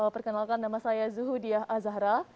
perkenalkan nama saya zuhudiyah azhara